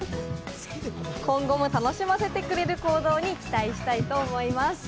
今後も楽しませてくれる行動に期待したいと思います。